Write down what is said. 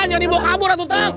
jadi bawa kabur itu pang